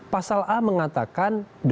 pasal a mengatakan dua